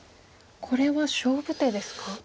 これは勝負手ですか？